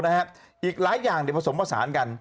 นะครับอีกหลายอย่างเนี่ยผสมผสานกัน